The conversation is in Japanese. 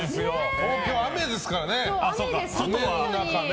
東京は雨ですからね。